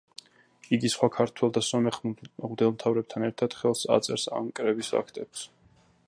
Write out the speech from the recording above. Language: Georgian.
იგი, სხვა ქართველ და სომეხ მღვდელმთავრებთან ერთად, ხელს აწერს ამ კრების აქტებს.